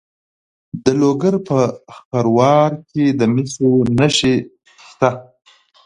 د لوګر په خروار کې د مسو نښې شته.